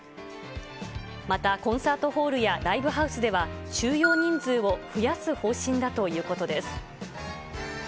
またコンサートホールやライブハウスでは、収容人数を増やす方針だということです。